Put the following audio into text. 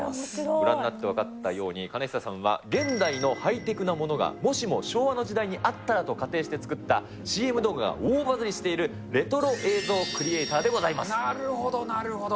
ご覧になって分かったように、かねひささんは、現代のハイテクなものがもしも昭和の時代にあったら？と仮定して作った、ＣＭ動画が大バズりしているレトロ映像クリエーターでごなるほど、なるほど。